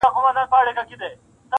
کلي چوپتيا کي ژوند کوي,